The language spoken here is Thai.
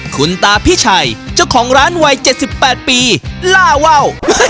ขุนตากับพี่ชัยเจ้าของร้านวัยเจ็ดสิบแปดปีล่าว่าว